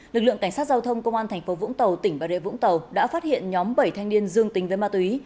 lực lượng cảnh sát giao thông công an tp vũng tàu tỉnh và địa vũng tàu đã phát hiện nhóm bảy thanh niên dương tình với ma túy